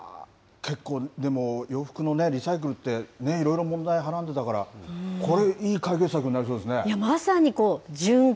結構、でも洋服のリサイクルって、いろいろ問題はらんでたから、これ、いい解決策になりそうですね。